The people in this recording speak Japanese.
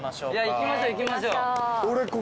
行きましょ行きましょ。